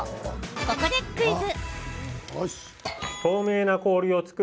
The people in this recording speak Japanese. ここでクイズ。